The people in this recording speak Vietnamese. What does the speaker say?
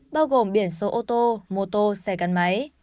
bao gồm biển số ô tô mô tô xe gắn máy